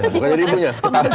bukan jadi ibunya